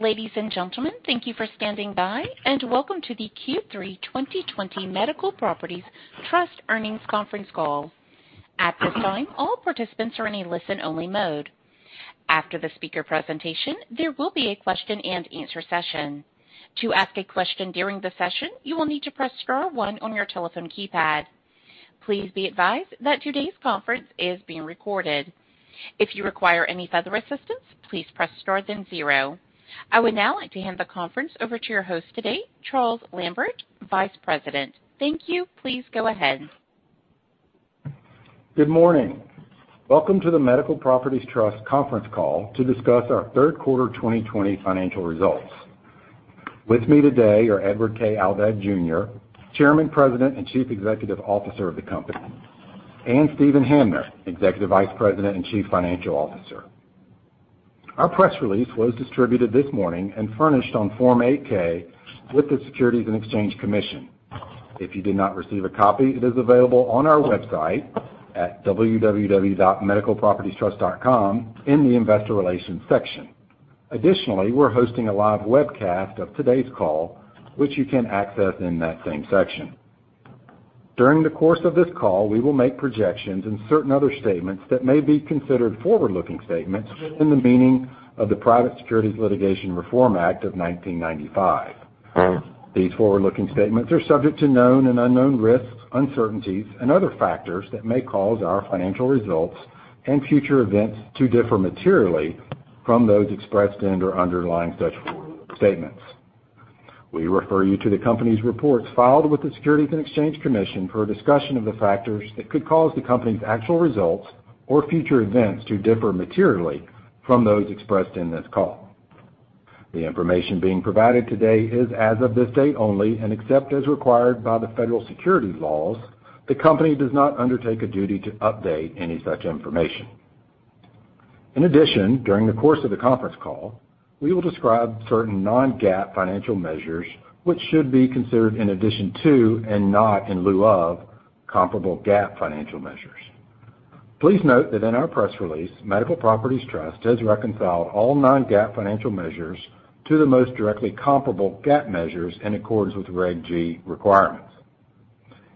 Ladies and gentlemen, thank you for standing by, and welcome to the Q3 2020 Medical Properties Trust Earnings conference call. At this time, all participants are in a listen-only mode. After the speaker presentation, there will be a question-and-answer session. I would now like to hand the conference over to your host today, Charles Lambert, Vice President. Thank you. Please go ahead. Good morning. Welcome to the Medical Properties Trust conference call to discuss our third quarter 2020 financial results. With me today are Edward K. Aldag Jr., Chairman, President, and Chief Executive Officer of the company, and Steven Hamner, Executive Vice President and Chief Financial Officer. Our press release was distributed this morning and furnished on Form 8-K with the Securities and Exchange Commission. If you did not receive a copy, it is available on our website at www.medicalpropertiestrust.com in the investor relations section. Additionally, we're hosting a live webcast of today's call, which you can access in that same section. During the course of this call, we will make projections and certain other statements that may be considered forward-looking statements in the meaning of the Private Securities Litigation Reform Act of 1995. These forward-looking statements are subject to known and unknown risks, uncertainties, and other factors that may cause our financial results and future events to differ materially from those expressed and/or underlying such forward-looking statements. We refer you to the company's reports filed with the Securities and Exchange Commission for a discussion of the factors that could cause the company's actual results or future events to differ materially from those expressed in this call. The information being provided today is as of this date only, and except as required by the federal securities laws, the company does not undertake a duty to update any such information. In addition, during the course of the conference call, we will describe certain non-GAAP financial measures which should be considered in addition to, and not in lieu of, comparable GAAP financial measures. Please note that in our press release, Medical Properties Trust has reconciled all non-GAAP financial measures to the most directly comparable GAAP measures in accordance with Reg G requirements.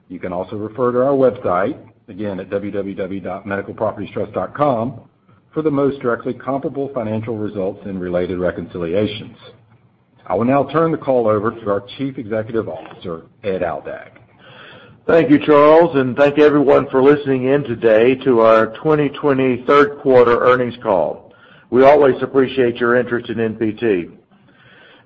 You can also refer to our website, again, at www.medicalpropertiestrust.com, for the most directly comparable financial results and related reconciliations. I will now turn the call over to our Chief Executive Officer, Ed Aldag. Thank you, Charles, and thank you, everyone, for listening in today to our 2020 third quarter earnings call. We always appreciate your interest in MPT.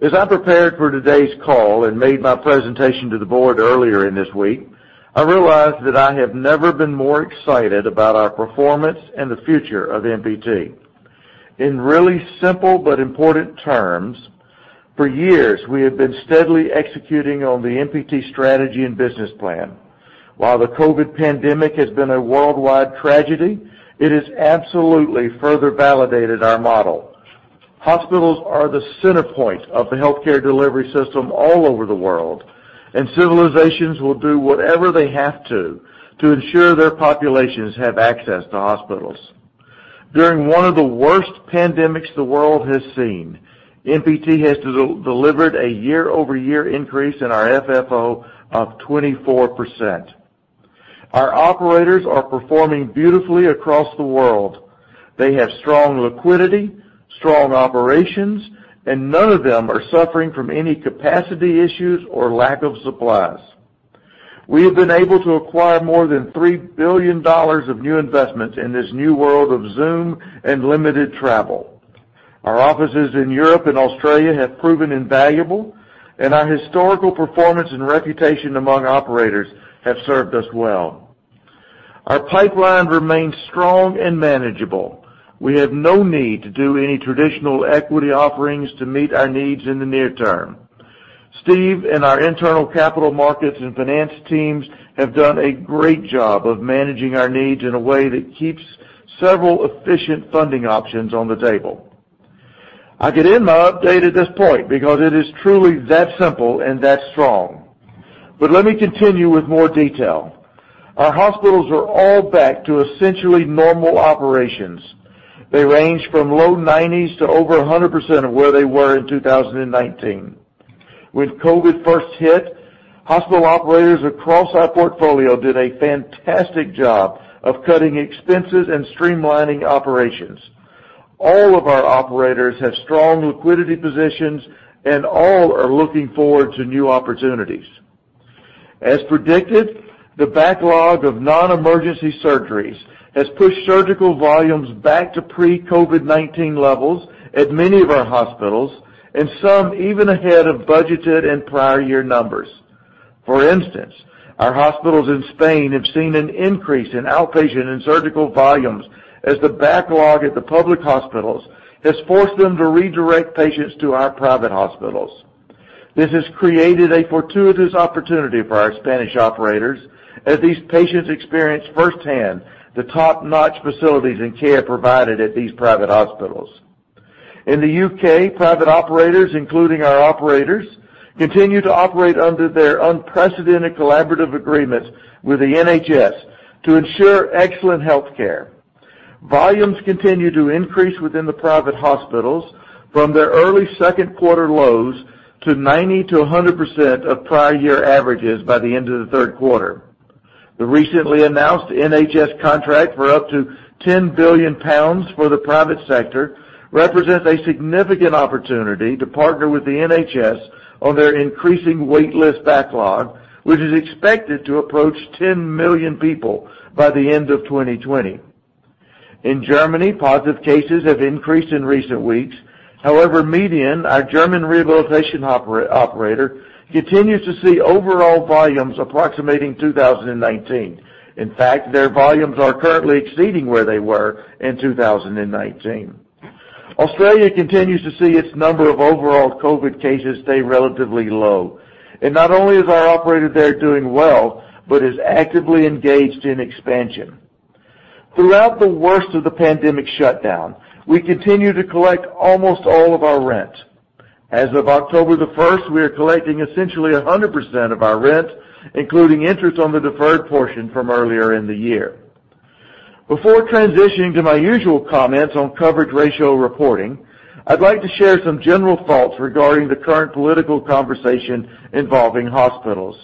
As I prepared for today's call and made my presentation to the board earlier in this week, I realized that I have never been more excited about our performance and the future of MPT. In really simple but important terms, for years, we have been steadily executing on the MPT strategy and business plan. While the COVID pandemic has been a worldwide tragedy, it has absolutely further validated our model. Hospitals are the center point of the healthcare delivery system all over the world, and civilizations will do whatever they have to ensure their populations have access to hospitals. During one of the worst pandemics the world has seen, MPT has delivered a year-over-year increase in our FFO of 24%. Our operators are performing beautifully across the world. They have strong liquidity, strong operations, and none of them are suffering from any capacity issues or lack of supplies. We have been able to acquire more than $3 billion of new investments in this new world of Zoom and limited travel. Our offices in Europe and Australia have proven invaluable, and our historical performance and reputation among operators have served us well. Our pipeline remains strong and manageable. We have no need to do any traditional equity offerings to meet our needs in the near term. Steve and our internal capital markets and finance teams have done a great job of managing our needs in a way that keeps several efficient funding options on the table. I could end my update at this point because it is truly that simple and that strong. Let me continue with more detail. Our hospitals are all back to essentially normal operations. They range from low 90s to over 100% of where they were in 2019. When COVID-19 first hit, hospital operators across our portfolio did a fantastic job of cutting expenses and streamlining operations. All of our operators have strong liquidity positions and all are looking forward to new opportunities. As predicted, the backlog of non-emergency surgeries has pushed surgical volumes back to pre-COVID-19 levels at many of our hospitals, and some even ahead of budgeted and prior year numbers. For instance, our hospitals in Spain have seen an increase in outpatient and surgical volumes as the backlog at the public hospitals has forced them to redirect patients to our private hospitals. This has created a fortuitous opportunity for our Spanish operators as these patients experience firsthand the top-notch facilities and care provided at these private hospitals. In the U.K., private operators, including our operators, continue to operate under their unprecedented collaborative agreements with the NHS to ensure excellent healthcare. Volumes continue to increase within the private hospitals from their early second quarter lows to 90%-100% of prior year averages by the end of the third quarter. The recently announced NHS contract for up to 10 billion pounds for the private sector represents a significant opportunity to partner with the NHS on their increasing wait list backlog, which is expected to approach 10 million people by the end of 2020. In Germany, positive cases have increased in recent weeks. However, MEDIAN, our German rehabilitation operator, continues to see overall volumes approximating 2019. In fact, their volumes are currently exceeding where they were in 2019. Australia continues to see its number of overall COVID cases stay relatively low. Not only is our operator there doing well, but is actively engaged in expansion. Throughout the worst of the pandemic shutdown, we continued to collect almost all of our rent. As of October the 1st, we are collecting essentially 100% of our rent, including interest on the deferred portion from earlier in the year. Before transitioning to my usual comments on coverage ratio reporting, I'd like to share some general thoughts regarding the current political conversation involving hospitals.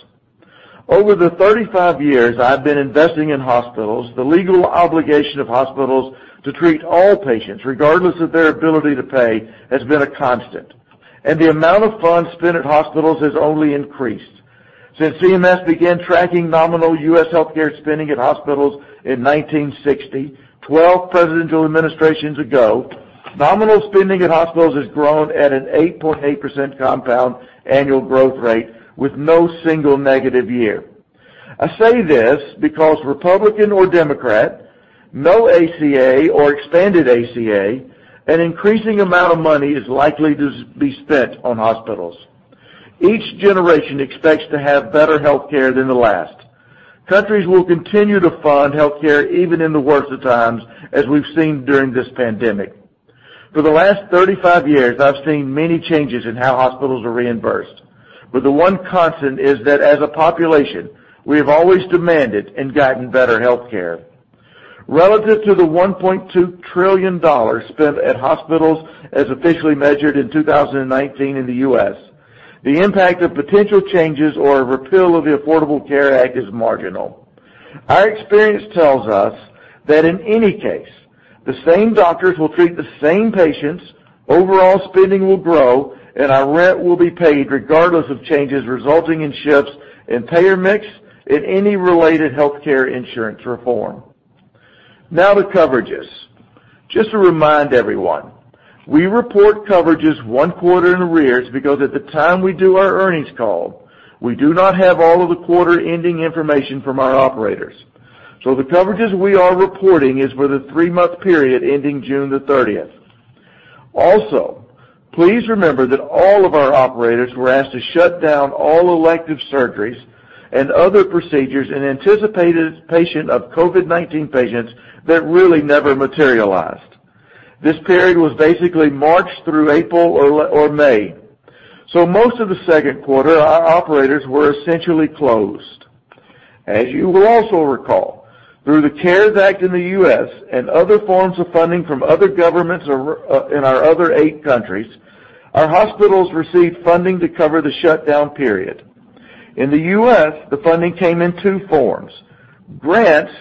Over the 35 years I've been investing in hospitals, the legal obligation of hospitals to treat all patients, regardless of their ability to pay, has been a constant. The amount of funds spent at hospitals has only increased. Since CMS began tracking nominal U.S. healthcare spending at hospitals in 1960, 12 presidential administrations ago, nominal spending at hospitals has grown at an 8.8% compound annual growth rate with no one single negative year. I say this because Republican or Democrat, no ACA or expanded ACA, an increasing amount of money is likely to be spent on hospitals. Each generation expects to have better healthcare than the last. Countries will continue to fund healthcare even in the worst of times, as we've seen during this pandemic. For the last 35 years, I've seen many changes in how hospitals are reimbursed. The one constant is that as a population, we have always demanded and gotten better healthcare. Relative to the $1.2 trillion spent at hospitals as officially measured in 2019 in the U.S., the impact of potential changes or a repeal of the Affordable Care Act is marginal. Our experience tells us that in any case, the same doctors will treat the same patients, overall spending will grow, and our rent will be paid regardless of changes resulting in shifts in payer mix and any related healthcare insurance reform. The coverages. Just to remind everyone, we report coverages one quarter in arrears because at the time we do our earnings call, we do not have all of the quarter-ending information from our operators. The coverages we are reporting is for the three-month period ending June the 30th. Also, please remember that all of our operators were asked to shut down all elective surgeries and other procedures in anticipation of COVID-19 patients that really never materialized. This period was basically March through April or May. Most of the second quarter, our operators were essentially closed. As you will also recall, through the CARES Act in the U.S. and other forms of funding from other governments in our other eight countries, our hospitals received funding to cover the shutdown period. In the U.S., the funding came in two forms: grants,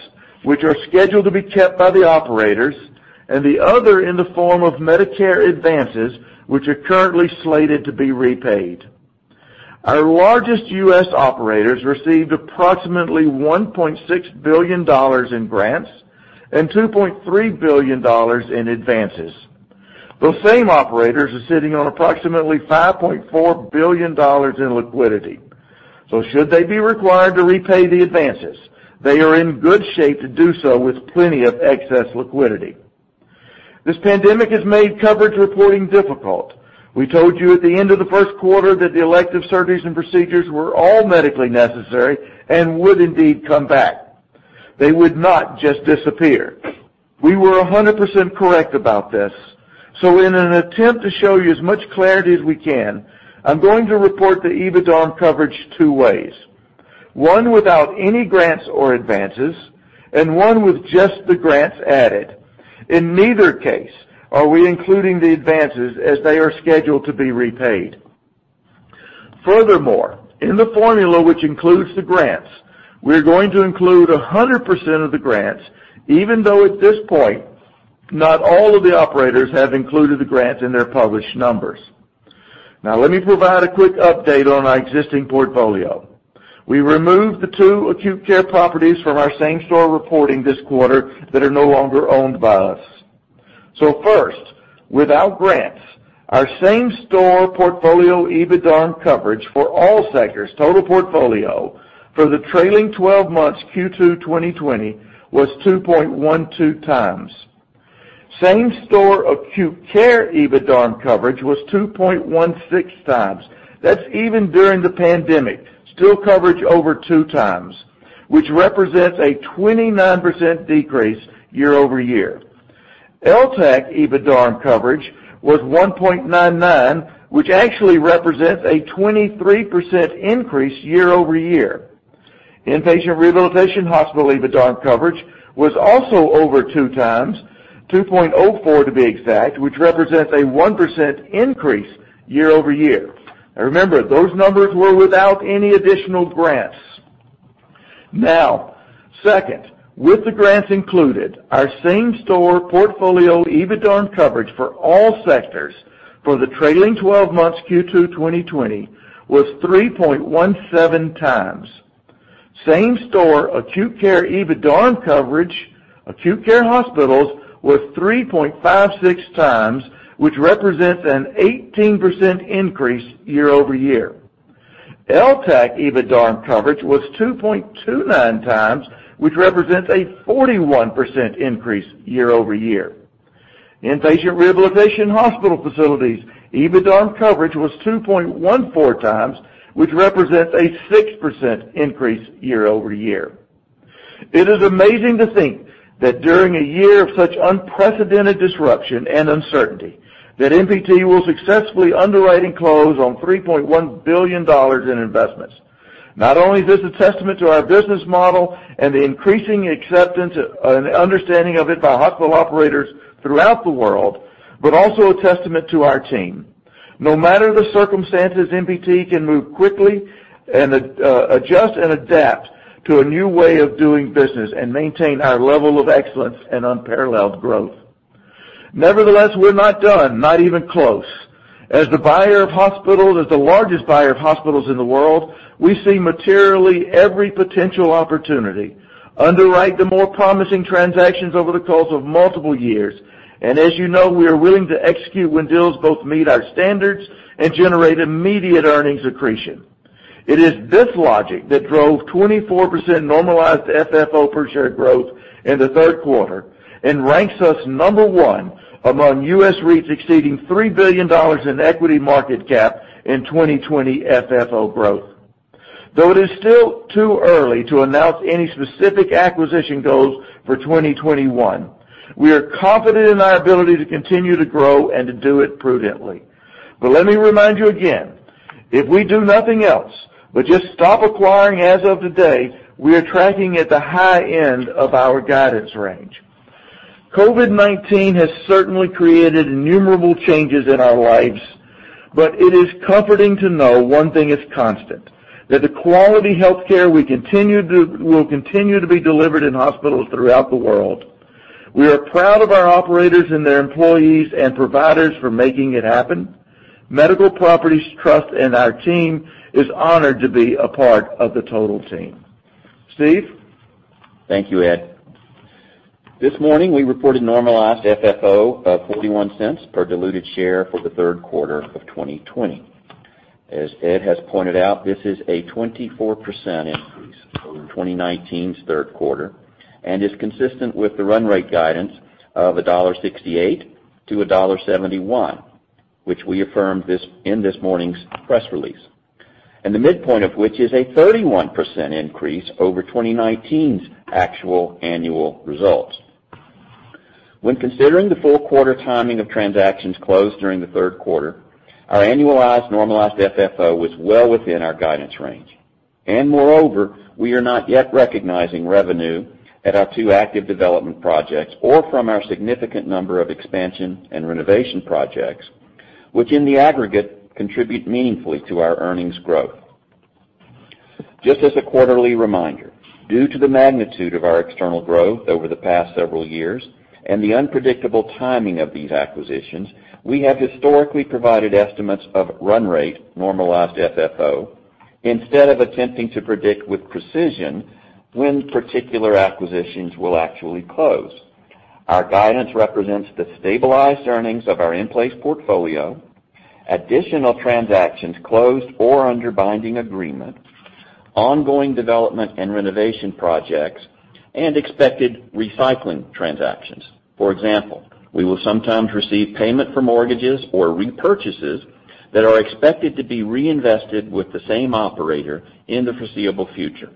which are scheduled to be kept by the operators, and the other in the form of Medicare advances, which are currently slated to be repaid. Our largest U.S. operators received approximately $1.6 billion in grants and $2.3 billion in advances. Those same operators are sitting on approximately $5.4 billion in liquidity. Should they be required to repay the advances, they are in good shape to do so with plenty of excess liquidity. This pandemic has made coverage reporting difficult. We told you at the end of the first quarter that the elective surgeries and procedures were all medically necessary and would indeed come back. They would not just disappear. We were 100% correct about this. In an attempt to show you as much clarity as we can, I'm going to report the EBITDA coverage two ways, one without any grants or advances, and one with just the grants added. In neither case are we including the advances as they are scheduled to be repaid. Furthermore, in the formula which includes the grants, we're going to include 100% of the grants, even though at this point, not all of the operators have included the grants in their published numbers. Let me provide a quick update on our existing portfolio. We removed the two acute care properties from our same-store reporting this quarter that are no longer owned by us. First, without grants, our same-store portfolio EBITDA coverage for all sectors, total portfolio, for the trailing 12 months Q2 2020 was 2.12x. Same-store acute care EBITDA coverage was 2.16x. That's even during the pandemic, still coverage over 2x, which represents a 29% decrease year-over-year. LTAC EBITDA coverage was 1.99x, which actually represents a 23% increase year-over-year. Inpatient rehabilitation hospital EBITDA coverage was also over 2x, 2.04x to be exact, which represents a 1% increase year-over-year. Remember, those numbers were without any additional grants. Second, with the grants included, our same store portfolio EBITDA coverage for all sectors for the trailing 12 months Q2 2020 was 3.17x. Same store acute care EBITDA coverage, acute care hospitals was 3.56x, which represents an 18% increase year-over-year. LTAC EBITDA coverage was 2.29x, which represents a 41% increase year-over-year. Inpatient rehabilitation hospital facilities, EBITDA coverage was 2.14x, which represents a 6% increase year-over-year. It is amazing to think that during a year of such unprecedented disruption and uncertainty, that MPT will successfully underwrite and close on $3.1 billion in investments. Not only is this a testament to our business model and the increasing acceptance and understanding of it by hospital operators throughout the world, but also a testament to our team. No matter the circumstances, MPT can move quickly and adjust and adapt to a new way of doing business and maintain our level of excellence and unparalleled growth. Nevertheless, we're not done, not even close. As the buyer of hospitals, as the largest buyer of hospitals in the world, we see materially every potential opportunity, underwrite the more promising transactions over the course of multiple years. As you know, we are willing to execute when deals both meet our standards and generate immediate earnings accretion. It is this logic that drove 24% normalized FFO per share growth in the third quarter, and ranks us number one among U.S. REITs exceeding $3 billion in equity market cap in 2020 FFO growth. Though it is still too early to announce any specific acquisition goals for 2021, we are confident in our ability to continue to grow and to do it prudently. Let me remind you again, if we do nothing else but just stop acquiring as of today, we are tracking at the high end of our guidance range. COVID-19 has certainly created innumerable changes in our lives. It is comforting to know one thing is constant, that the quality healthcare will continue to be delivered in hospitals throughout the world. We are proud of our operators and their employees and providers for making it happen. Medical Properties Trust and our team is honored to be a part of the total team. Steve? Thank you, Ed. This morning, we reported normalized FFO of $0.41 per diluted share for the third quarter of 2020. As Ed has pointed out, this is a 24% increase over 2019's third quarter, and is consistent with the run rate guidance of $1.68-$1.71, which we affirmed in this morning's press release. The midpoint of which is a 31% increase over 2019's actual annual results. When considering the full quarter timing of transactions closed during the third quarter, our annualized normalized FFO was well within our guidance range. Moreover, we are not yet recognizing revenue at our two active development projects or from our significant number of expansion and renovation projects, which in the aggregate, contribute meaningfully to our earnings growth. Just as a quarterly reminder, due to the magnitude of our external growth over the past several years and the unpredictable timing of these acquisitions, we have historically provided estimates of run rate normalized FFO instead of attempting to predict with precision when particular acquisitions will actually close. Our guidance represents the stabilized earnings of our in-place portfolio, additional transactions closed or under binding agreement, ongoing development and renovation projects, and expected recycling transactions. For example, we will sometimes receive payment for mortgages or repurchases that are expected to be reinvested with the same operator in the foreseeable future.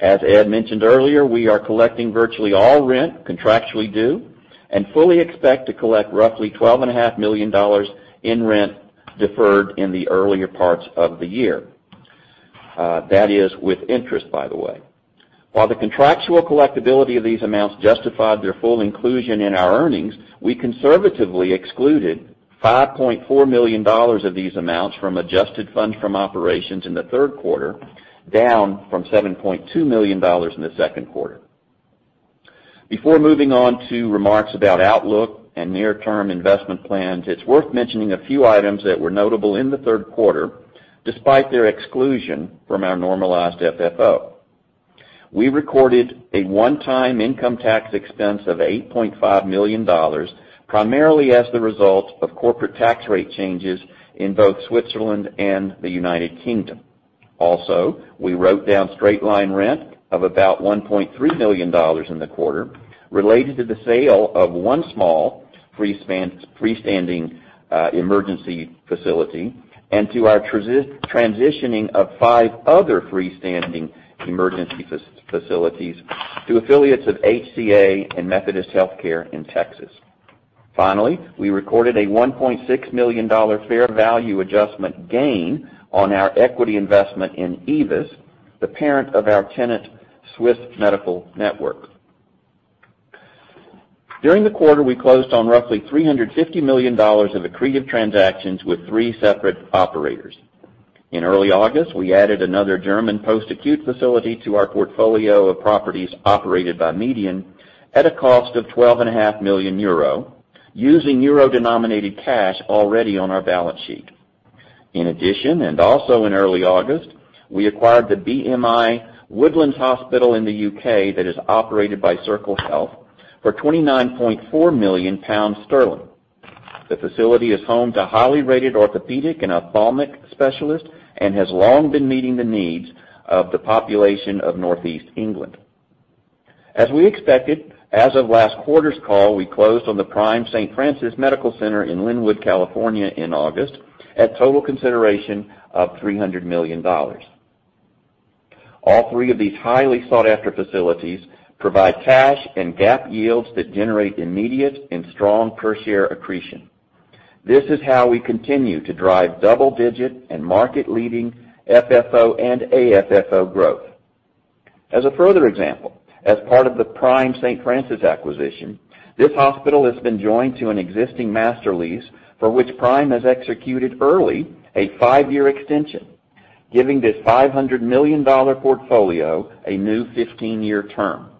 As Ed mentioned earlier, we are collecting virtually all rent contractually due, and fully expect to collect roughly $12.5 million in rent deferred in the earlier parts of the year. That is with interest, by the way. While the contractual collectibility of these amounts justified their full inclusion in our earnings, we conservatively excluded $5.4 million of these amounts from adjusted funds from operations in the third quarter, down from $7.2 million in the second quarter. Before moving on to remarks about outlook and near-term investment plans, it's worth mentioning a few items that were notable in the third quarter, despite their exclusion from our normalized FFO. We recorded a one-time income tax expense of $8.5 million, primarily as the result of corporate tax rate changes in both Switzerland and the United Kingdom. Also, we wrote down straight-line rent of about $1.3 million in the quarter related to the sale of one small freestanding emergency facility, and to our transitioning of five other freestanding emergency facilities to affiliates of HCA and Methodist Healthcare in Texas. Finally, we recorded a $1.6 million fair value adjustment gain on our equity investment in AEVIS, the parent of our tenant, Swiss Medical Network. During the quarter, we closed on roughly $350 million of accretive transactions with three separate operators. In early August, we added another German post-acute facility to our portfolio of properties operated by MEDIAN at a cost of 12.5 million euro, using euro-denominated cash already on our balance sheet. In addition, in early August, we acquired the BMI Woodlands Hospital in the U.K. that is operated by Circle Health for 29.4 million pounds. The facility is home to highly rated orthopedic and ophthalmic specialists and has long been meeting the needs of the population of Northeast England. As we expected, as of last quarter's call, we closed on the Prime St. Francis Medical Center in Lynwood, California, in August at total consideration of $300 million. All three of these highly sought-after facilities provide cash and GAAP yields that generate immediate and strong per-share accretion. This is how we continue to drive double-digit and market-leading FFO and AFFO growth. As a further example, as part of the Prime St. Francis acquisition, this hospital has been joined to an existing master lease for which Prime has executed early a five-year extension, giving this $500 million portfolio a new 15-year term.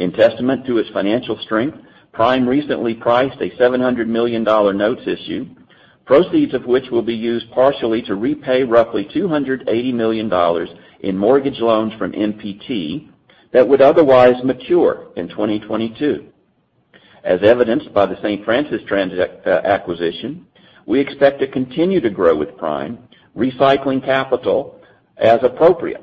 In testament to its financial strength, Prime recently priced a $700 million notes issue, proceeds of which will be used partially to repay roughly $280 million in mortgage loans from MPT that would otherwise mature in 2022. As evidenced by the St. Francis acquisition, we expect to continue to grow with Prime, recycling capital as appropriate.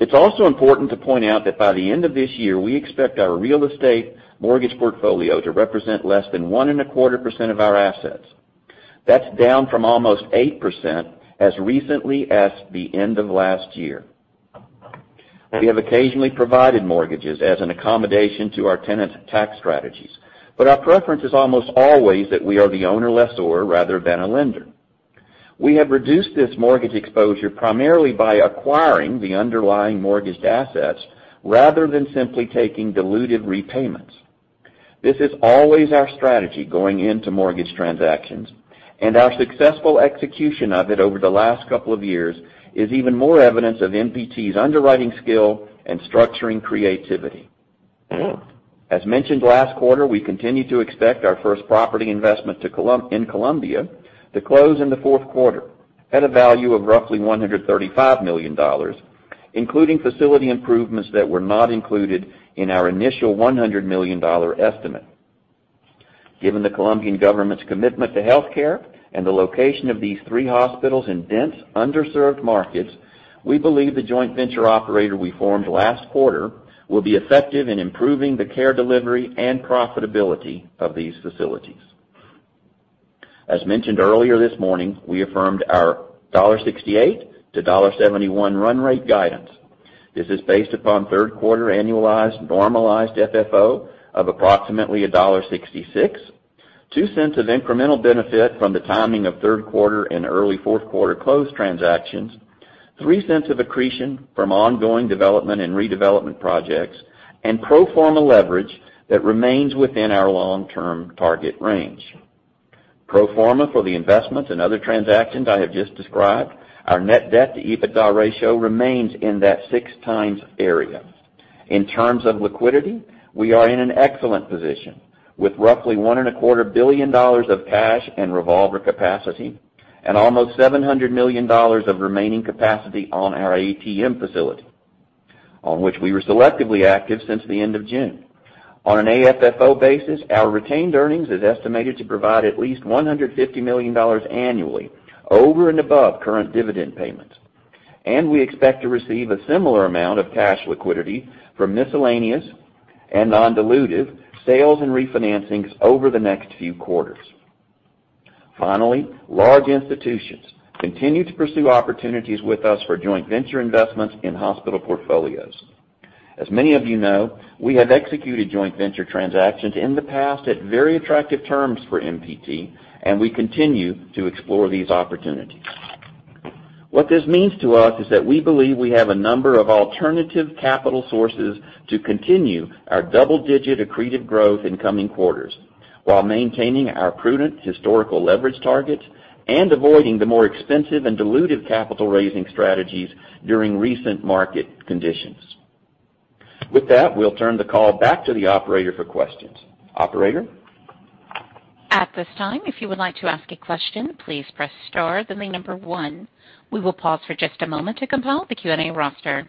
It's also important to point out that by the end of this year, we expect our real estate mortgage portfolio to represent less than 1.25% of our assets. That's down from almost 8% as recently as the end of last year. We have occasionally provided mortgages as an accommodation to our tenants' tax strategies, but our preference is almost always that we are the owner lessor rather than a lender. We have reduced this mortgage exposure primarily by acquiring the underlying mortgaged assets rather than simply taking dilutive repayments. This is always our strategy going into mortgage transactions, and our successful execution of it over the last couple of years is even more evidence of MPT's underwriting skill and structuring creativity. As mentioned last quarter, we continue to expect our first property investment in Colombia to close in the fourth quarter at a value of roughly $135 million, including facility improvements that were not included in our initial $100 million estimate. Given the Colombian government's commitment to healthcare and the location of these three hospitals in dense, underserved markets, we believe the joint venture operator we formed last quarter will be effective in improving the care delivery and profitability of these facilities. As mentioned earlier this morning, we affirmed our $1.68-$1.71 run rate guidance. This is based upon third quarter annualized normalized FFO of approximately $1.66, $0.02 of incremental benefit from the timing of third quarter and early fourth quarter close transactions, $0.03 of accretion from ongoing development and redevelopment projects, and pro forma leverage that remains within our long-term target range. Pro forma for the investments and other transactions I have just described, our net debt-to-EBITDA ratio remains in that 6x area. In terms of liquidity, we are in an excellent position, with roughly $1.25 billion of cash and revolver capacity and almost $700 million of remaining capacity on our ATM facility, on which we were selectively active since the end of June. On an AFFO basis, our retained earnings is estimated to provide at least $150 million annually over and above current dividend payments. We expect to receive a similar amount of cash liquidity from miscellaneous and non-dilutive sales and refinancings over the next few quarters. Finally, large institutions continue to pursue opportunities with us for joint venture investments in hospital portfolios. As many of you know, we have executed joint venture transactions in the past at very attractive terms for MPT, and we continue to explore these opportunities. What this means to us is that we believe we have a number of alternative capital sources to continue our double-digit accretive growth in coming quarters while maintaining our prudent historical leverage targets and avoiding the more expensive and dilutive capital-raising strategies during recent market conditions. With that, we'll turn the call back to the operator for questions. Operator? At this time if you would like to ask a question please press star then the number one. We will pause for just a moment to compile the Q&A roster.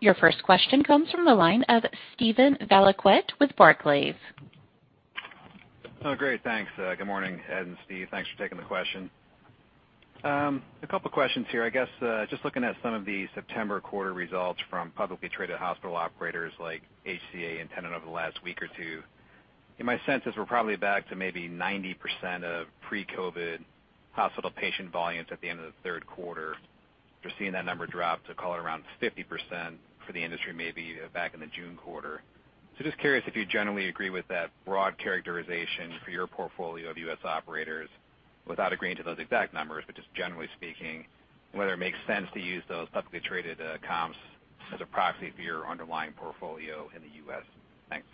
Your first question comes from the line of Steven Valiquette with Barclays. Great. Thanks. Good morning, Ed and Steve. Thanks for taking the question. A couple questions here. I guess, just looking at some of the September quarter results from publicly traded hospital operators like HCA and Tenet over the last week or two, in my sense is we're probably back to maybe 90% of pre-COVID hospital patient volumes at the end of the third quarter. We're seeing that number drop to, call it, around 50% for the industry, maybe back in the June quarter. Just curious if you generally agree with that broad characterization for your portfolio of U.S. operators, without agreeing to those exact numbers, but just generally speaking, whether it makes sense to use those publicly traded comps as a proxy for your underlying portfolio in the U.S. Thanks.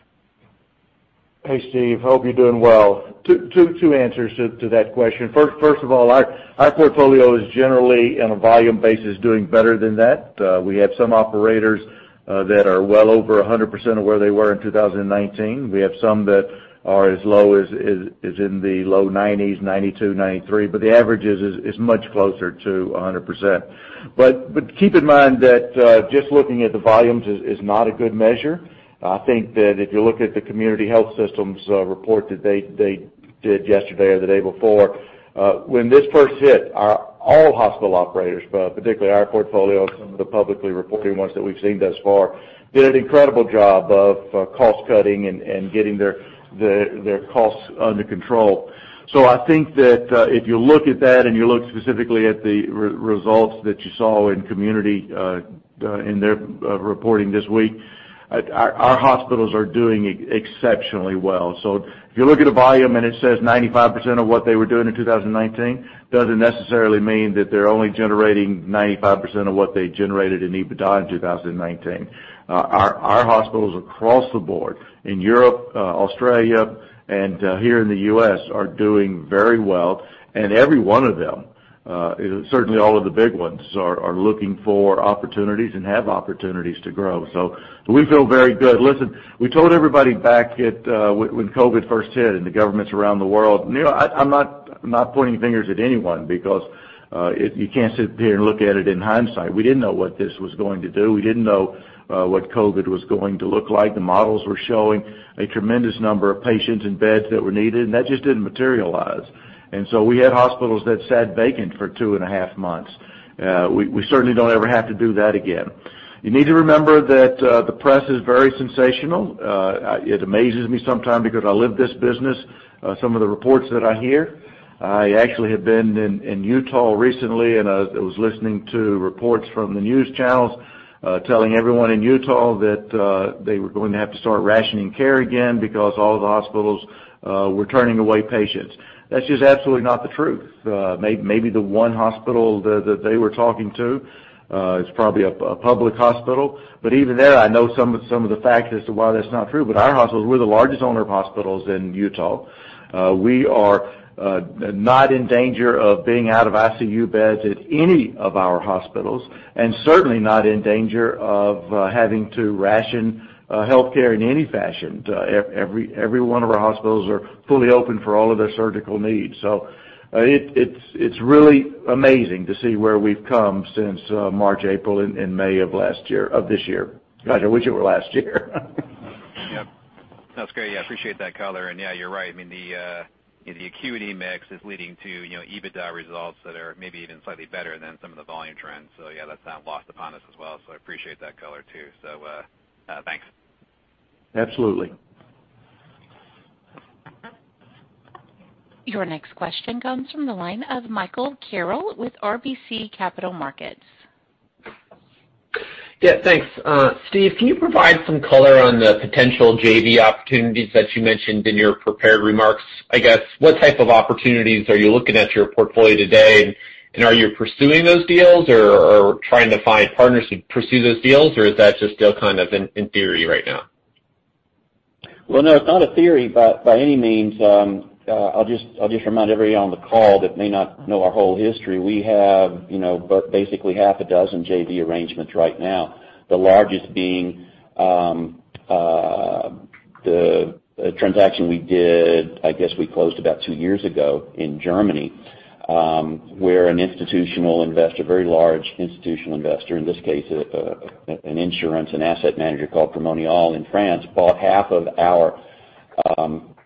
Hey, Steve. Hope you're doing well. Two answers to that question. First of all, our portfolio is generally, on a volume basis, doing better than that. We have some operators that are well over 100% of where they were in 2019. We have some that are as low as in the low 90%s, 92%, 93%, but the average is much closer to 100%. Keep in mind that just looking at the volumes is not a good measure. I think that if you look at the Community Health Systems report that they did yesterday or the day before, when this first hit, all hospital operators, but particularly our portfolio and some of the publicly reported ones that we've seen thus far, did an incredible job of cost-cutting and getting their costs under control. I think that if you look at that and you look specifically at the results that you saw in Community, in their reporting this week, our hospitals are doing exceptionally well. If you look at a volume and it says 95% of what they were doing in 2019, doesn't necessarily mean that they're only generating 95% of what they generated in EBITDA in 2019. Our hospitals across the board in Europe, Australia, and here in the U.S. are doing very well, and every one of them, certainly all of the big ones, are looking for opportunities and have opportunities to grow. We feel very good. Listen, we told everybody back when COVID-19 first hit and the governments around the world. I'm not pointing fingers at anyone because you can't sit here and look at it in hindsight. We didn't know what this was going to do. We didn't know what COVID was going to look like. The models were showing a tremendous number of patients and beds that were needed, and that just didn't materialize. We had hospitals that sat vacant for two and a half months. We certainly don't ever have to do that again. You need to remember that the press is very sensational. It amazes me sometimes because I live this business, some of the reports that I hear. I actually have been in Utah recently, and I was listening to reports from the news channels, telling everyone in Utah that they were going to have to start rationing care again because all of the hospitals were turning away patients. That's just absolutely not the truth. Maybe the one hospital that they were talking to is probably a public hospital. Even there, I know some of the facts as to why that's not true. Our hospitals, we're the largest owner of hospitals in Utah. We are not in danger of being out of ICU beds at any of our hospitals, and certainly not in danger of having to ration healthcare in any fashion. Every one of our hospitals are fully open for all of their surgical needs. It's really amazing to see where we've come since March, April, and May of this year. Gosh, I wish it were last year. Yep. No, that's great. Yeah, appreciate that color. Yeah, you're right. The acuity mix is leading to EBITDA results that are maybe even slightly better than some of the volume trends. Yeah, that's not lost upon us as well. I appreciate that color too. Thanks. Absolutely. Your next question comes from the line of Michael Carroll with RBC Capital Markets. Yeah, thanks. Steve, can you provide some color on the potential JV opportunities that you mentioned in your prepared remarks? I guess, what type of opportunities are you looking at in your portfolio today, and are you pursuing those deals or trying to find partners to pursue those deals, or is that just still kind of in theory right now? Well, no, it's not a theory by any means. I'll just remind everybody on the call that may not know our whole history. We have basically half a dozen JV arrangements right now. The largest being the transaction we did, I guess we closed about two years ago in Germany, where an institutional investor, very large institutional investor, in this case, an insurance and asset manager called Primonial in France, bought half of our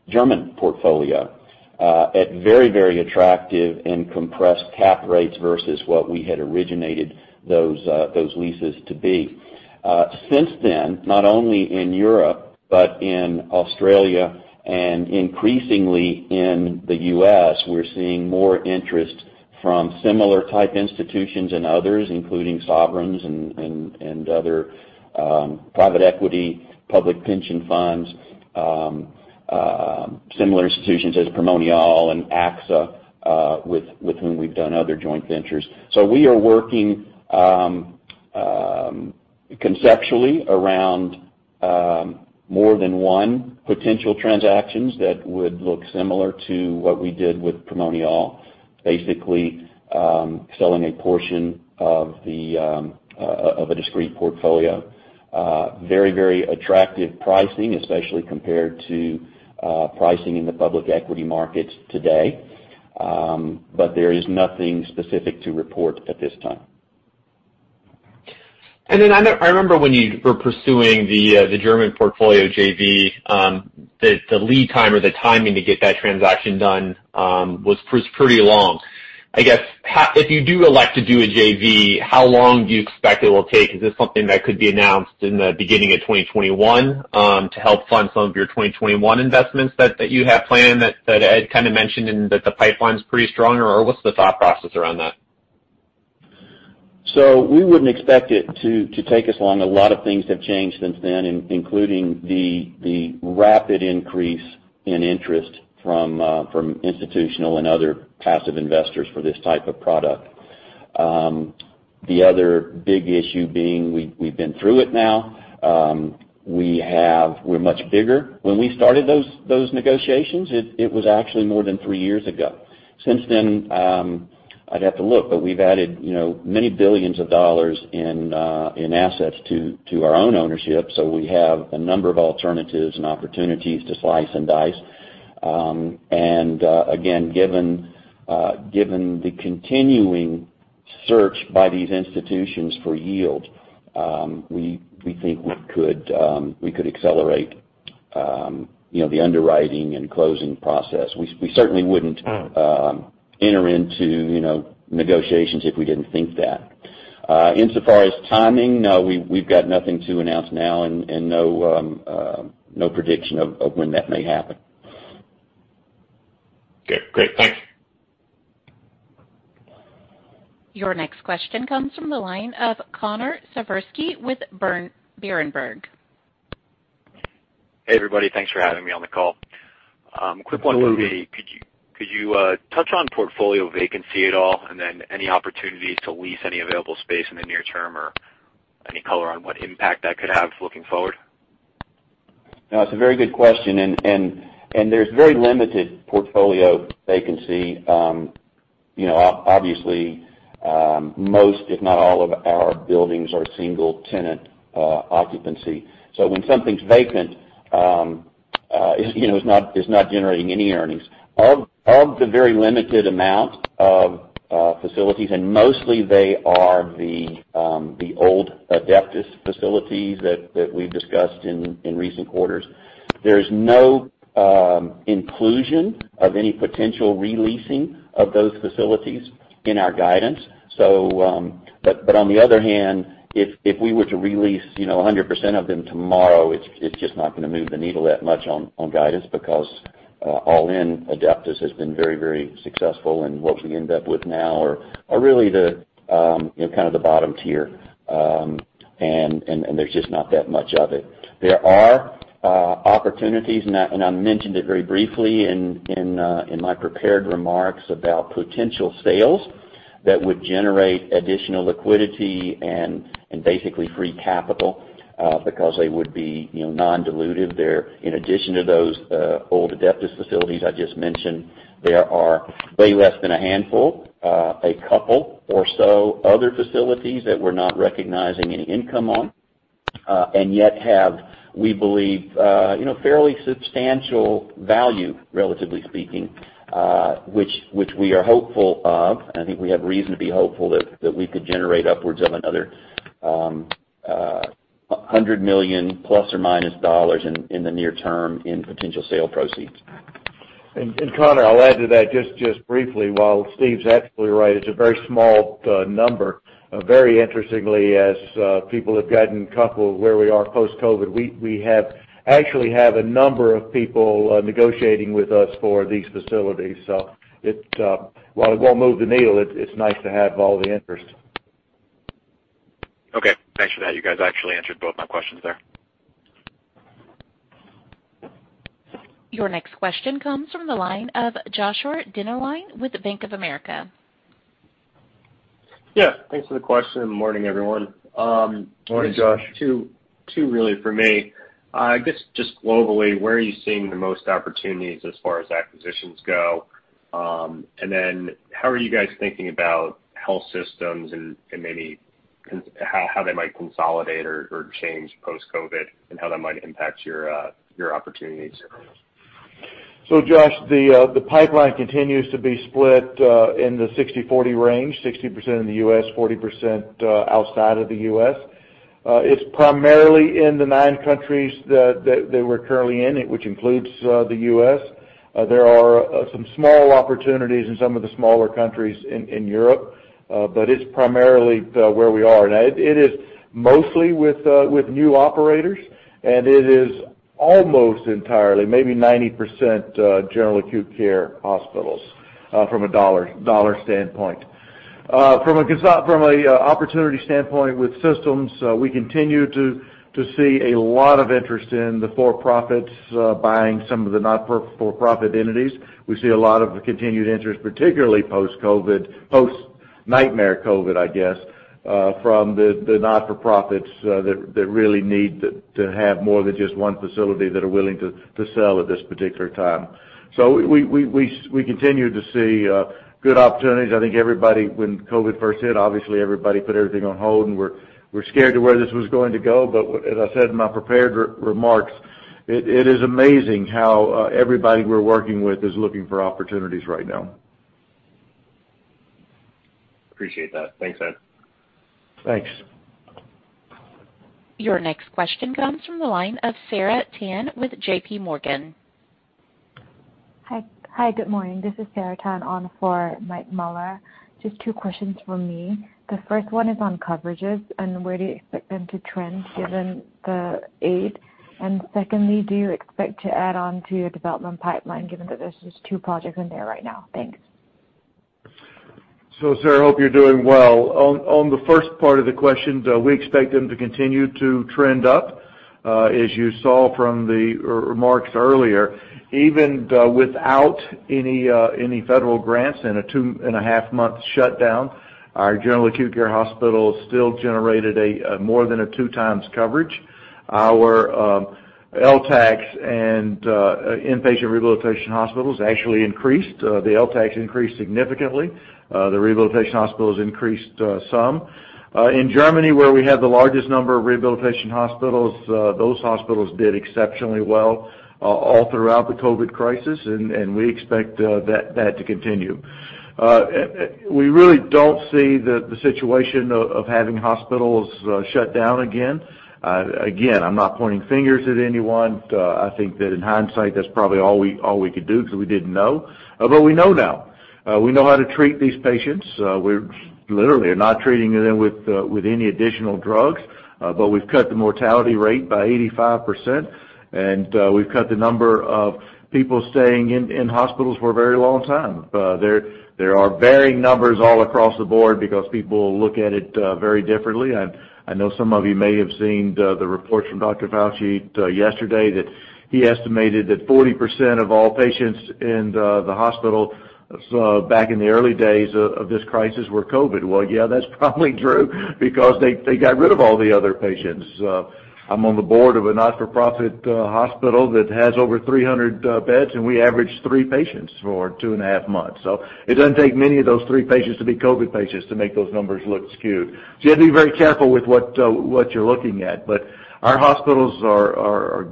German portfolio at very attractive and compressed cap rates versus what we had originated those leases to be. Since then, not only in Europe, but in Australia and increasingly in the U.S., we're seeing more interest from similar type institutions and others, including sovereigns and other private equity, public pension funds, similar institutions as Primonial and AXA, with whom we've done other joint ventures. We are working conceptually around more than one potential transactions that would look similar to what we did with Primonial. Basically, selling a portion of a discrete portfolio. Very attractive pricing, especially compared to pricing in the public equity markets today. There is nothing specific to report at this time. I remember when you were pursuing the German portfolio JV, the lead time or the timing to get that transaction done was pretty long. I guess, if you do elect to do a JV, how long do you expect it will take? Is this something that could be announced in the beginning of 2021 to help fund some of your 2021 investments that you have planned, that Ed kind of mentioned, and that the pipeline's pretty strong, or what's the thought process around that? We wouldn't expect it to take us long. A lot of things have changed since then, including the rapid increase in interest from institutional and other passive investors for this type of product. The other big issue being we've been through it now. We're much bigger. When we started those negotiations, it was actually more than three years ago. Since then, I'd have to look, but we've added many billions of dollars in assets to our own ownership. We have a number of alternatives and opportunities to slice and dice. Again, given the continuing search by these institutions for yield, we think we could accelerate the underwriting and closing process. We certainly wouldn't enter into negotiations if we didn't think that. Insofar as timing, no, we've got nothing to announce now and no prediction of when that may happen. Okay, great. Thank you. Your next question comes from the line of Connor Siversky with Berenberg. Hey, everybody. Thanks for having me on the call. Quick one for me. Hello. Could you touch on portfolio vacancy at all, and then any opportunities to lease any available space in the near term or any color on what impact that could have looking forward? No, it's a very good question, and there's very limited portfolio vacancy. Obviously, most, if not all of our buildings are single-tenant occupancy. When something's vacant, it's not generating any earnings. Of the very limited amount of facilities, and mostly they are the old Adeptus facilities that we've discussed in recent quarters, there's no inclusion of any potential re-leasing of those facilities in our guidance. On the other hand, if we were to re-lease 100% of them tomorrow, it's just not going to move the needle that much on guidance because all in, Adeptus has been very successful in what we end up with now are really kind of the bottom tier, and there's just not that much of it. There are opportunities, and I mentioned it very briefly in my prepared remarks about potential sales that would generate additional liquidity and basically free capital because they would be non-dilutive. In addition to those old Adeptus facilities I just mentioned, there are way less than a handful, a couple or so other facilities that we're not recognizing any income on, and yet have, we believe, fairly substantial value, relatively speaking, which we are hopeful of. I think we have reason to be hopeful that we could generate upwards of another $100 million ± in the near term in potential sale proceeds. Connor, I'll add to that just briefly. While Steve's absolutely right, it's a very small number. Very interestingly, as people have gotten comfortable where we are post-COVID, we actually have a number of people negotiating with us for these facilities. While it won't move the needle, it's nice to have all the interest. Okay. Thanks for that. You guys actually answered both my questions there. Your next question comes from the line of Joshua Dennerlein with Bank of America. Yeah, thanks for the question. Morning, everyone. Morning, Josh. Two really for me. I guess, just globally, where are you seeing the most opportunities as far as acquisitions go? How are you guys thinking about health systems and maybe how they might consolidate or change post-COVID-19, and how that might impact your opportunities? Josh, the pipeline continues to be split in the 60/40 range, 60% in the U.S., 40% outside of the U.S. It's primarily in the nine countries that we're currently in, which includes the U.S. There are some small opportunities in some of the smaller countries in Europe, but it's primarily where we are now. It is mostly with new operators, and it is almost entirely, maybe 90%, general acute care hospitals from a dollar standpoint. From a opportunity standpoint with systems, we continue to see a lot of interest in the for-profits buying some of the not-for-profit entities. We see a lot of continued interest, particularly post nightmare COVID, I guess, from the not-for-profits that really need to have more than just one facility that are willing to sell at this particular time. We continue to see good opportunities. I think everybody, when COVID first hit, obviously everybody put everything on hold and were scared of where this was going to go. As I said in my prepared remarks, it is amazing how everybody we're working with is looking for opportunities right now. Appreciate that. Thanks, Ed. Thanks. Your next question comes from the line of Sarah Tan with JPMorgan. Hi, good morning. This is Sarah Tan on for Mike Mueller. Just two questions from me. The first one is on coverages and where do you expect them to trend given the aid? Secondly, do you expect to add on to your development pipeline, given that there's just two projects in there right now? Thanks. Sarah, hope you're doing well. On the first part of the question, we expect them to continue to trend up. As you saw from the remarks earlier, even without any federal grants in a two-and-a-half month shutdown, our general acute care hospital still generated more than a two times coverage. Our LTACs and inpatient rehabilitation hospitals actually increased. The LTACs increased significantly. The rehabilitation hospitals increased some. In Germany, where we have the largest number of rehabilitation hospitals, those hospitals did exceptionally well all throughout the COVID crisis, and we expect that to continue. We really don't see the situation of having hospitals shut down again. Again, I'm not pointing fingers at anyone. I think that in hindsight, that's probably all we could do because we didn't know. We know now. We know how to treat these patients. We literally are not treating them with any additional drugs. We've cut the mortality rate by 85%, and we've cut the number of people staying in hospitals for a very long time. There are varying numbers all across the board because people look at it very differently, and I know some of you may have seen the reports from Dr. Fauci yesterday that he estimated that 40% of all patients in the hospital back in the early days of this crisis were COVID. Yeah, that's probably true because they got rid of all the other patients. I'm on the board of a not-for-profit hospital that has over 300 beds, and we averaged three patients for two and a half months. It doesn't take many of those three patients to be COVID patients to make those numbers look skewed. You have to be very careful with what you're looking at. Our hospitals are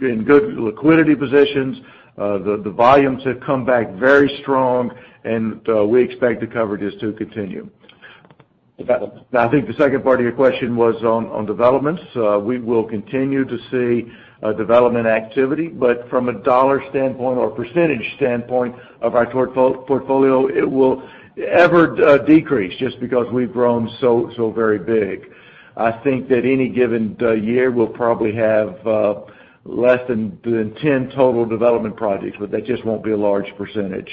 in good liquidity positions. The volumes have come back very strong, and we expect the coverages to continue. I think the second part of your question was on developments. We will continue to see development activity, but from a dollar standpoint or percentage standpoint of our portfolio, it will ever decrease just because we've grown so very big. I think that any given year, we'll probably have less than 10 total development projects, but they just won't be a large percentage.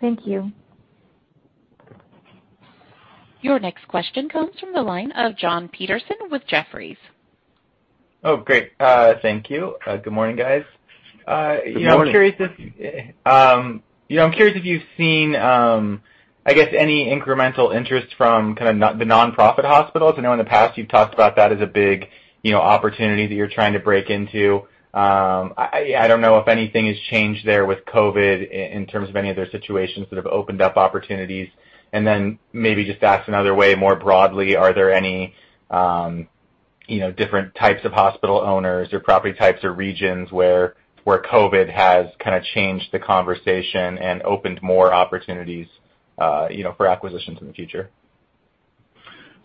Thank you. Your next question comes from the line of Jon Petersen with Jefferies. Oh, great. Thank you. Good morning, guys. Good morning. I'm curious if you've seen, I guess, any incremental interest from kind of the nonprofit hospitals. I know in the past you've talked about that as a big opportunity that you're trying to break into. I don't know if anything has changed there with COVID in terms of any other situations that have opened up opportunities, and then maybe just asked another way more broadly, are there any different types of hospital owners or property types or regions where COVID has kind of changed the conversation and opened more opportunities for acquisitions in the future?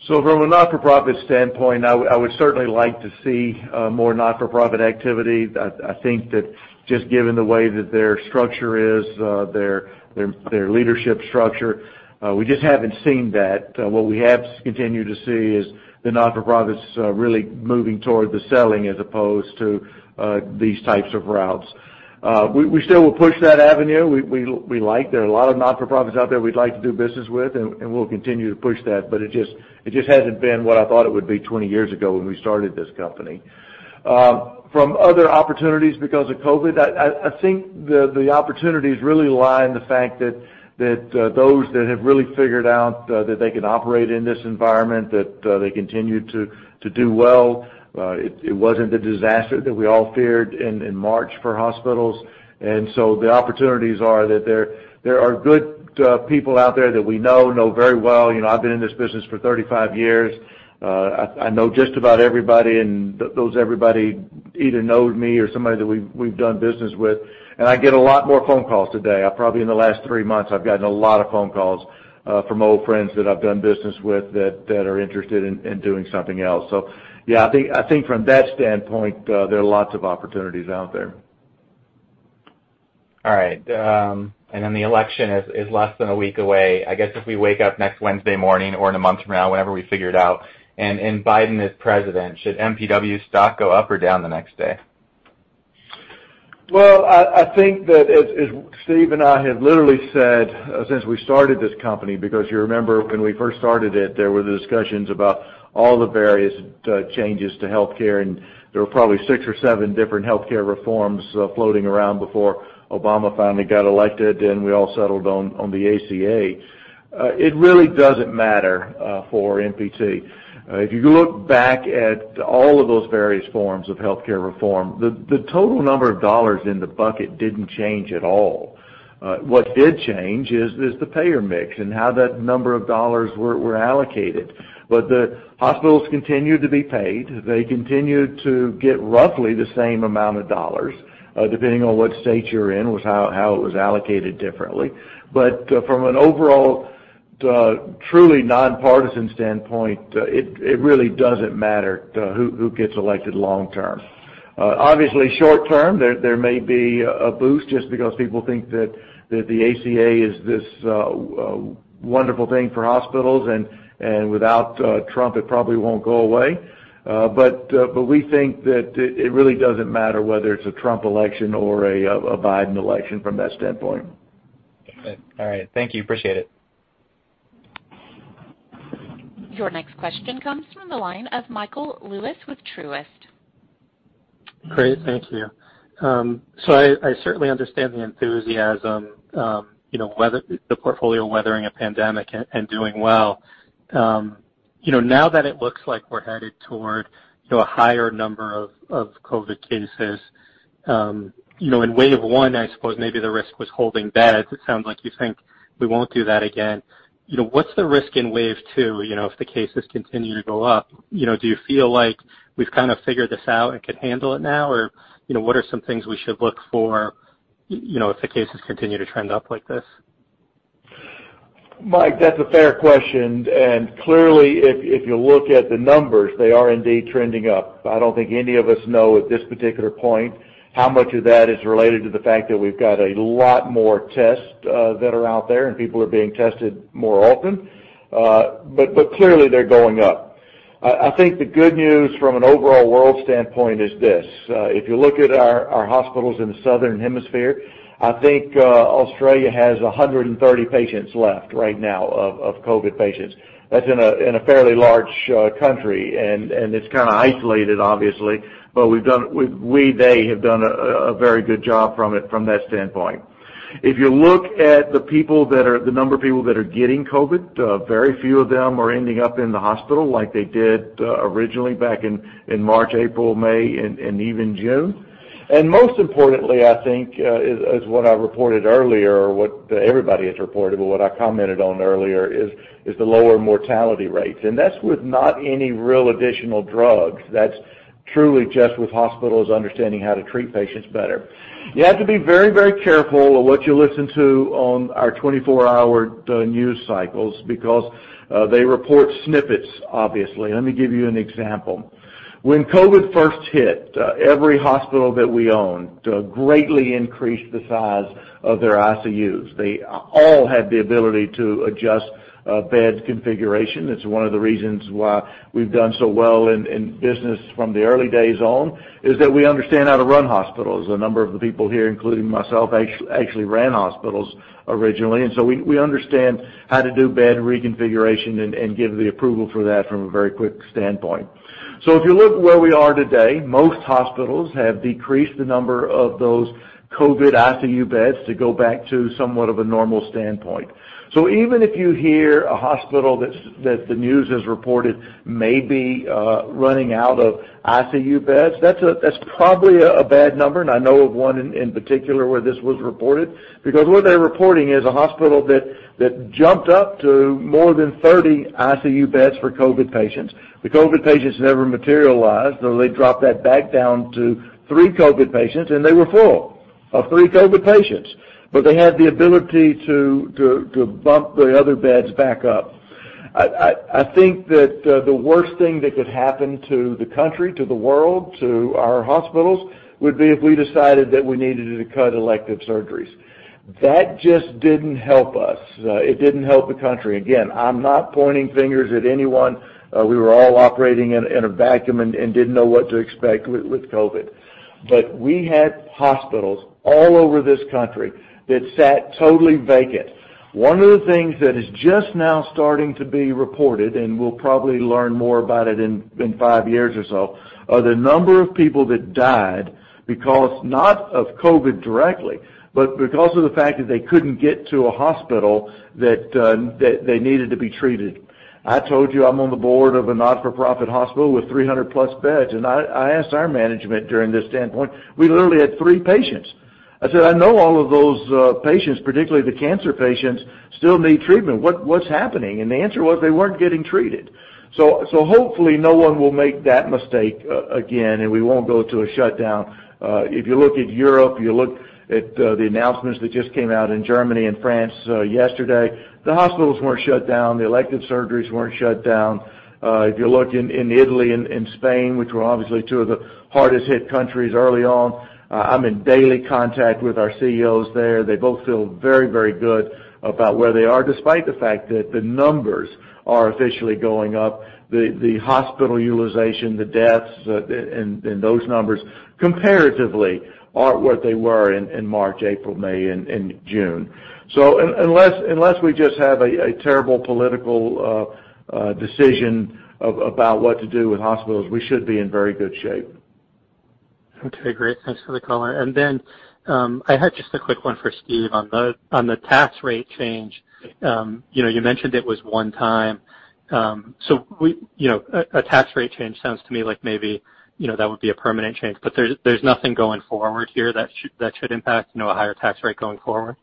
From a not-for-profit standpoint, I would certainly like to see more not-for-profit activity. I think that just given the way that their structure is, their leadership structure, we just haven't seen that. What we have continued to see is the not-for-profits really moving toward the selling as opposed to these types of routes. We still will push that avenue. There are a lot of not-for-profits out there we'd like to do business with, and we'll continue to push that, but it just hasn't been what I thought it would be 20 years ago when we started this company. From other opportunities because of COVID-19, I think the opportunities really lie in the fact that those that have really figured out that they can operate in this environment, that they continue to do well. It wasn't the disaster that we all feared in March for hospitals. The opportunities are that there are good people out there that we know very well. I've been in this business for 35 years. I know just about everybody. Those everybody either knows me or somebody that we've done business with. I get a lot more phone calls today. Probably in the last three months, I've gotten a lot of phone calls from old friends that I've done business with that are interested in doing something else. Yeah, I think from that standpoint, there are lots of opportunities out there. All right. The election is less than a week away. I guess if we wake up next Wednesday morning or in a month from now, whenever we figure it out, and Biden is president, should MPW stock go up or down the next day? I think that as Steve and I have literally said since we started this company, because you remember when we first started it, there were discussions about all the various changes to healthcare, and there were probably six or seven different healthcare reforms floating around before Obama finally got elected, and we all settled on the ACA. It really doesn't matter for MPT. If you look back at all of those various forms of healthcare reform, the total number of dollars in the bucket didn't change at all. What did change is the payer mix and how that number of dollars were allocated. The hospitals continued to be paid. They continued to get roughly the same amount of dollars, depending on what state you're in, was how it was allocated differently. From an overall, the truly nonpartisan standpoint, it really doesn't matter who gets elected long term. Obviously short term, there may be a boost just because people think that the ACA is this wonderful thing for hospitals, and without Trump, it probably won't go away. We think that it really doesn't matter whether it's a Trump election or a Biden election from that standpoint. All right. Thank you. Appreciate it. Your next question comes from the line of Michael Lewis with Truist. Great. Thank you. I certainly understand the enthusiasm, the portfolio weathering a pandemic and doing well. Now that it looks like we're headed toward a higher number of COVID cases. In wave one, I suppose maybe the risk was holding beds. It sounds like you think we won't do that again. What's the risk in wave two if the cases continue to go up? Do you feel like we've kind of figured this out and could handle it now? What are some things we should look for if the cases continue to trend up like this? Mike, that's a fair question. Clearly, if you look at the numbers, they are indeed trending up. I don't think any of us know at this particular point how much of that is related to the fact that we've got a lot more tests that are out there, and people are being tested more often. Clearly, they're going up. I think the good news from an overall world standpoint is this. If you look at our hospitals in the southern hemisphere, I think Australia has 130 patients left right now of COVID patients. That's in a fairly large country, and it's kind of isolated, obviously. They have done a very good job from that standpoint. If you look at the number of people that are getting COVID, very few of them are ending up in the hospital like they did originally back in March, April, May, and even June. Most importantly, I think, is what I reported earlier, or what everybody has reported, but what I commented on earlier is the lower mortality rates, and that's with not any real additional drugs. That's truly just with hospitals understanding how to treat patients better. You have to be very careful of what you listen to on our 24-hour news cycles because they report snippets, obviously. Let me give you an example. When COVID first hit, every hospital that we own greatly increased the size of their ICUs. They all had the ability to adjust bed configuration. It's one of the reasons why we've done so well in business from the early days on, is that we understand how to run hospitals. A number of the people here, including myself, actually ran hospitals originally. We understand how to do bed reconfiguration and give the approval for that from a very quick standpoint. If you look where we are today, most hospitals have decreased the number of those COVID-19 ICU beds to go back to somewhat of a normal standpoint. Even if you hear a hospital that the news has reported may be running out of ICU beds, that's probably a bad number. I know of one in particular where this was reported. What they're reporting is a hospital that jumped up to more than 30 ICU beds for COVID-19 patients. The COVID patients never materialized, so they dropped that back down to three COVID patients, and they were full of three COVID patients. They had the ability to bump the other beds back up. I think that the worst thing that could happen to the country, to the world, to our hospitals, would be if we decided that we needed to cut elective surgeries. That just didn't help us. It didn't help the country. Again, I'm not pointing fingers at anyone. We were all operating in a vacuum and didn't know what to expect with COVID. We had hospitals all over this country that sat totally vacant. One of the things that is just now starting to be reported, and we'll probably learn more about it in five years or so, are the number of people that died because not of COVID-19 directly, but because of the fact that they couldn't get to a hospital that they needed to be treated. I told you I'm on the board of a not-for-profit hospital with 300+ beds, I asked our management during this standpoint. We literally had three patients. I said, "I know all of those patients, particularly the cancer patients, still need treatment. What's happening?" The answer was they weren't getting treated. Hopefully no one will make that mistake again, we won't go to a shutdown. If you look at Europe, you look at the announcements that just came out in Germany and France yesterday, the hospitals weren't shut down. The elective surgeries weren't shut down. If you look in Italy and Spain, which were obviously two of the hardest hit countries early on, I'm in daily contact with our CEOs there. They both feel very good about where they are, despite the fact that the numbers are officially going up. The hospital utilization, the deaths, and those numbers comparatively aren't what they were in March, April, May, and June. Unless we just have a terrible political decision about what to do with hospitals, we should be in very good shape. Okay, great. Thanks for the color. I had just a quick one for Steve on the tax rate change. You mentioned it was one time. A tax rate change sounds to me like maybe that would be a permanent change. There's nothing going forward here that should impact a higher tax rate going forward?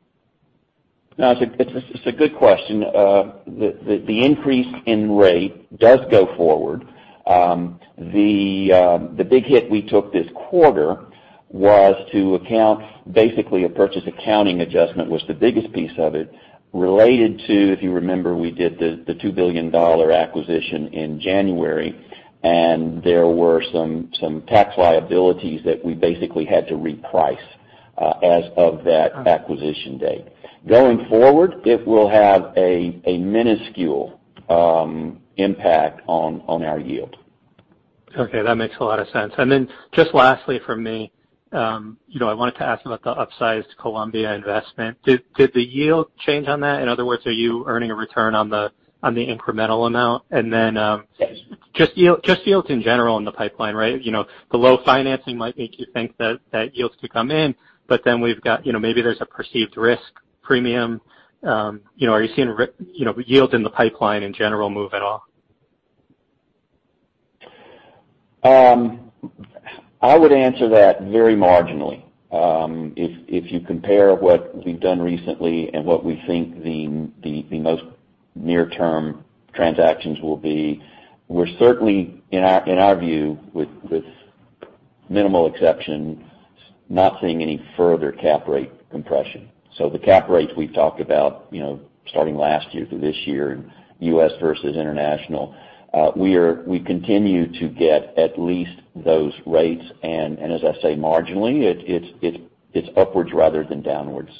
No, it's a good question. The increase in rate does go forward. The big hit we took this quarter was to account, basically, a purchase accounting adjustment was the biggest piece of it, related to, if you remember, we did the $2 billion acquisition in January, and there were some tax liabilities that we basically had to reprice as of that acquisition date. Going forward, it will have a minuscule impact on our yield. Okay. That makes a lot of sense. Just lastly from me, I wanted to ask about the upsized Colombia investment. Did the yield change on that? In other words, are you earning a return on the incremental amount? Yes Just yields in general in the pipeline, right? The low financing might make you think that yields could come in, but then maybe there's a perceived risk premium. Are you seeing yields in the pipeline in general move at all? I would answer that very marginally. If you compare what we've done recently and what we think the most near-term transactions will be, we're certainly, in our view, with minimal exception, not seeing any further cap rate compression. The cap rates we've talked about starting last year through this year in U.S. versus international, we continue to get at least those rates, and as I say, marginally, it's upwards rather than downwards.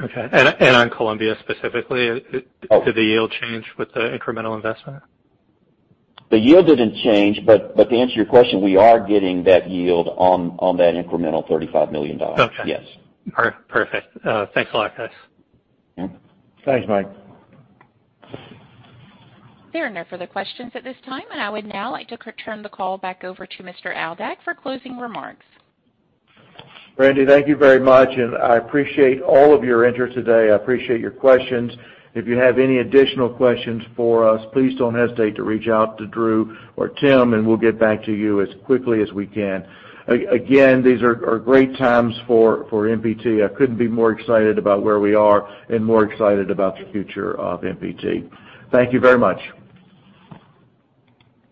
Okay. On Colombia specifically, did the yield change with the incremental investment? The yield didn't change, but to answer your question, we are getting that yield on that incremental $35 million. Okay. Yes. Perfect. Thanks a lot, guys. Thanks, Mike. There are no further questions at this time, and I would now like to return the call back over to Mr. Aldag for closing remarks. Randy, thank you very much, and I appreciate all of your interest today. I appreciate your questions. If you have any additional questions for us, please don't hesitate to reach out to Drew or Tim, and we'll get back to you as quickly as we can. Again, these are great times for MPT. I couldn't be more excited about where we are and more excited about the future of MPT. Thank you very much.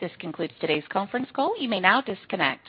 This concludes today's conference call. You may now disconnect.